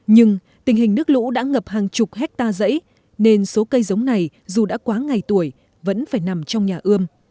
nhưng tình hình nước lũ đã ngập hàng chục hectare dãy nên số cây giống này dù đã quá ngày tuổi vẫn phải nằm trong nhà ươm